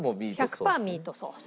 １００パーミートソース。